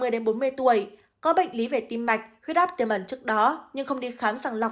một mươi đến bốn mươi tuổi có bệnh lý về tim mạch huyết áp tiềm ẩn trước đó nhưng không đi khám sàng lọc